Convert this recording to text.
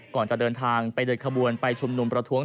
ก่อนจะเดินทางไปเดินขบวนไปชุมนุมประท้วง